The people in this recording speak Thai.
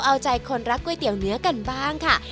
เอาใจคนรักก๋วยเตี๋ยวเนื้อกันบ้างค่ะ